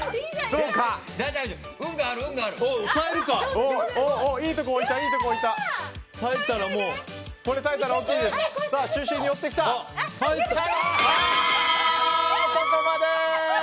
そこまで！